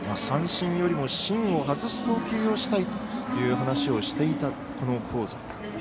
三振よりも芯を外す投球をしたいという話をしていた香西。